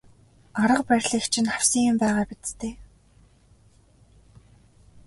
Арга барилыг чинь авсан юм байгаа биз дээ.